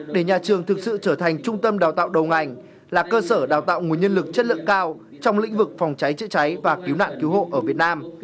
để nhà trường thực sự trở thành trung tâm đào tạo đầu ngành là cơ sở đào tạo nguồn nhân lực chất lượng cao trong lĩnh vực phòng cháy chữa cháy và cứu nạn cứu hộ ở việt nam